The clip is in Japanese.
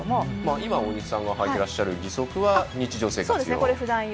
今、大西さんがはいていらっしゃる義足はふだん用。